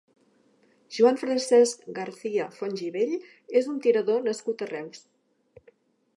Joan Francesc García Fontgivell és un tirador nascut a Reus.